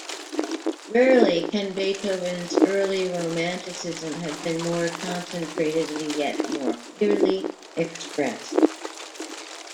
Rarely can Beethoven's early romanticism have been more concentratedly yet more clearly expressed.